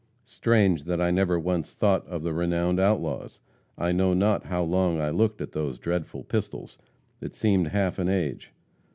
Strange that I never once thought of the renowned outlaws! I know not how long I looked at those dreadful pistols; it seemed half an age.